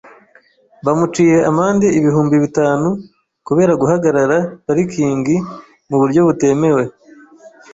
Bamuciye amande ibihunbi bitanu kubera guhagarara parikingi mu buryo butemewe.